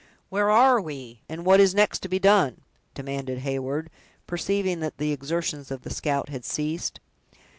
"Where are we, and what is next to be done!" demanded Heyward, perceiving that the exertions of the scout had ceased.